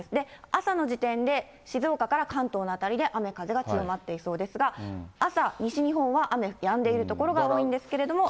朝の時点で静岡から関東の辺りで雨風が強まっていそうですが、朝、西日本は雨、やんでいる所が多いんですけれども。